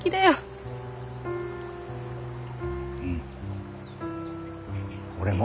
うん俺も。